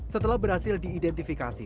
setelah berhasil diidentifikasi